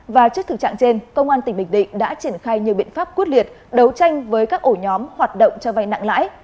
và trước thực trạng trên công an tỉnh bình định đã triển khai nhiều biện pháp quyết liệt đấu tranh với các ổ nhóm hoạt động cho vay nặng lãi